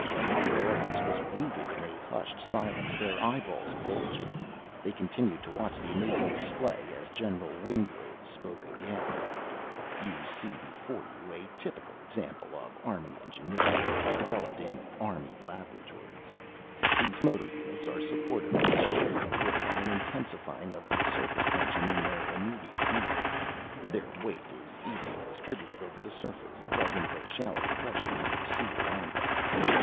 The audience was rooted in a hushed silence, their eyeballs bulging. They continued to watch the amazing display as General Wingrove spoke again: "You see before you a typical example of Army ingenuity, developed in Army laboratories. These motor units are supported on the surface of the water by an intensifying of the surface tension in their immediate area. Their weight is evenly distributed over the surface, causing the shallow depressions you see around them.